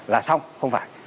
là xong không phải